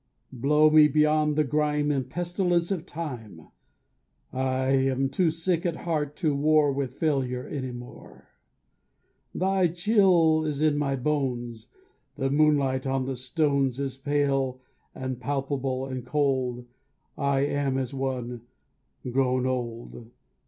Blow me beyond the grime And pestilence of time! I am too sick at heart to war With failure any more. Thy chill is in my bones; The moonlight on the stones Is pale, and palpable, and cold; I am as one grown old.